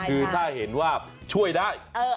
คือถ้าเห็นว่าช่วยได้ก็ช่วย